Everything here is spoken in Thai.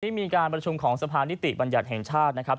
มีการประชุมของสะพานิติบัญญัติแห่งชาตินะครับ